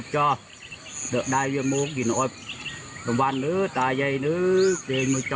เฮ่ย